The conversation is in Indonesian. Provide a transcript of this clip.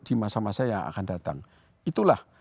di masa masa yang akan datang itulah